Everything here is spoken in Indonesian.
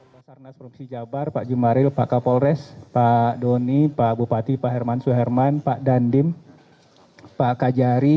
pak sarnaz prof sijabar pak jumaril pak kapolres pak doni pak bupati pak herman suherman pak dandim pak kajari